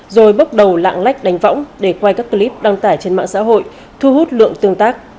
rồi bốc đầu lạng lách đánh võng để quay các clip đăng tải trên mạng xã hội thu hút lượng tương tác